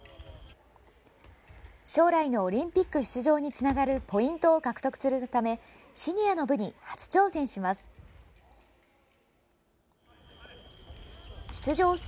将来のオリンピック出場につながるポイントを獲得するためシニアの部に初挑戦します。